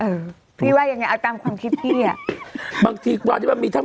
เออพี่ว่ายังไงเอาตามความคิดพี่อ่ะบางทีความที่ว่ามีทั้ง